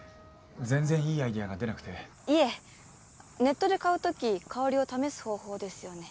全然いいアイデアが出なくていえネットで買うとき香りを試す方法ですよね